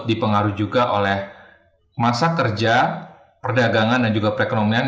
dipengaruhi juga oleh masa kerja perdagangan dan juga perekonomian